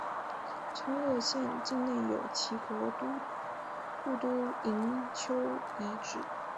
昌乐县境内有齐国故都营丘遗址。